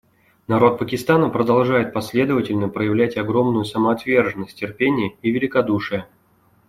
Народ Пакистана продолжает последовательно проявлять огромную самоотверженность, терпение и великодушие.